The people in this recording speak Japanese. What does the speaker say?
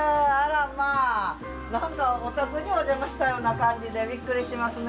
なんかお宅にお邪魔したような感じでびっくりしますね。